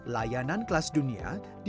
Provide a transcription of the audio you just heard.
layanan kelas jaringan